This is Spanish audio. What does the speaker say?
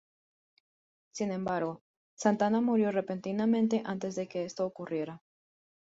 Sin embargo, Santana murió repentinamente antes de que esto ocurriera.